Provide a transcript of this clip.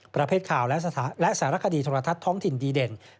ประเภทข่าวและสารคดีโทรทัศน์ท้องถิ่นดีเด่น